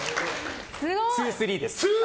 「２３」です。